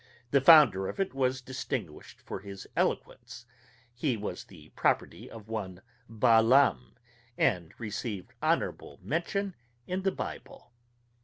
The founder of it was distinguished for his eloquence; he was the property of one Baalam, and received honorable mention in the Bible.